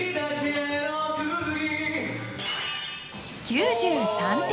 ９３点！